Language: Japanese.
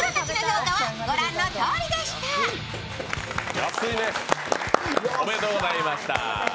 安いね、おめでとうございました。